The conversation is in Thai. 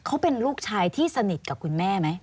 เขาเป็นลูกชายที่สนิทกับคุณแม่ไหม